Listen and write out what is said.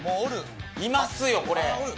いますよ、これ。